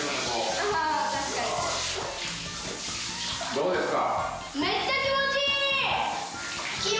どうですか？